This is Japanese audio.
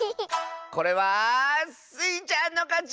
これはスイちゃんのかち！